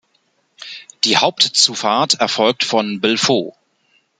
Die Hauptzufahrt erfolgt von Belfaux.